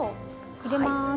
入れます。